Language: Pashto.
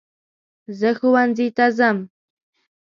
زه ښونځي ته ځم.